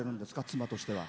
妻としては。